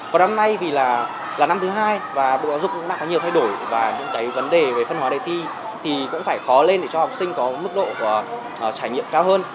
còn năm nay vì là năm thứ hai và bộ giáo dục cũng đã có nhiều thay đổi và những cái vấn đề về phân hóa đề thi thì cũng phải khó lên để cho học sinh có mức độ trải nghiệm cao hơn